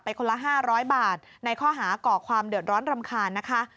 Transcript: คนละ๕๐๐บาทในข้อหาก่อความเดือดร้อนรำคาญนะคะ